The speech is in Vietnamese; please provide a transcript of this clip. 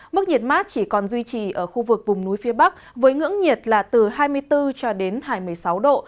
mức nhiệt mát chỉ còn duy trì ở khu vực vùng núi phía bắc với ngưỡng nhiệt là từ hai mươi bốn cho đến hai mươi sáu độ